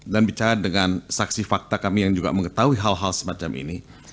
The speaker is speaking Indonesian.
dan bicara dengan saksi fakta kami yang juga mengetahui hal hal semacam ini